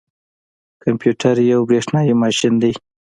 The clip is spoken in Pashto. کمپيوټر یو بریښنايي ماشین دی